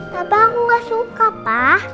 papa aku gak suka pak